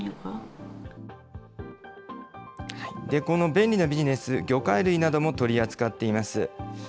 この便利なビジネス、魚介類なども取り扱っています。